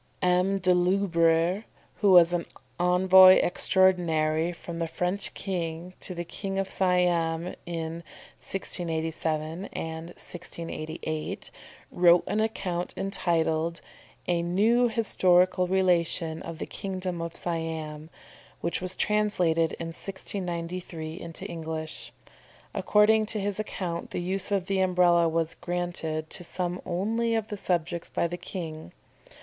M. de la Loubère, who was Envoy Extraordinary from the French King to the King of Siam in 1687 and 1688, wrote an account entitled a "New Historical Relation of the Kingdom of Siam," which was translated in 1693 into English. According to his account the use of the Umbrella was granted to some only of the subjects by the king.